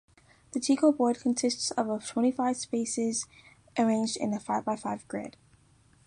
The Teeko board consists of twenty-five spaces arranged in a five-by-five grid.